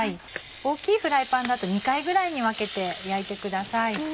大きいフライパンだと２回ぐらいに分けて焼いてください。